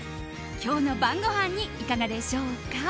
今日の晩ごはんにいかがでしょうか？